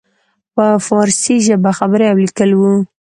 په فارسي ژبه خبرې او لیکل وو.